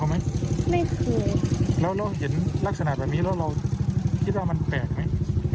มีคนทำอะไร